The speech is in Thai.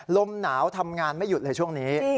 ลมหนาวทำงานไม่หยุดเลยช่วงนี้